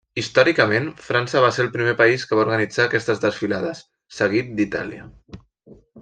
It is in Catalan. Històricament, França va ser el primer país que va organitzar aquestes desfilades, seguit d'Itàlia.